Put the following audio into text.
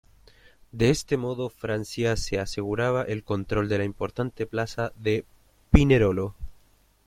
De este modo Francia se aseguraba el control de la importante plaza de Pinerolo.